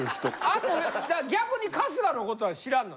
アッコ逆に春日のことは知らんの？